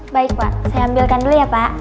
baik pak saya ambilkan dulu ya pak